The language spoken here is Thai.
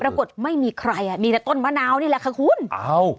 ปรากฏไม่มีใครอ่ะมีแต่ต้นมะนาวนี่แหละค่ะคุณอ้าว